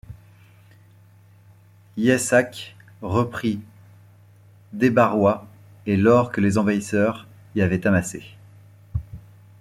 Yeshaq reprit Debarwa et l'or que les envahisseurs y avaient amassé.